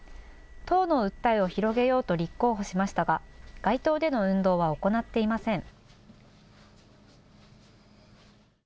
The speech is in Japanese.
党の訴えを広げようと立候補しましたが、街頭での運動は行っていません。